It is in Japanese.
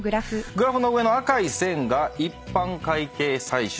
グラフの上の赤い線が一般会計歳出。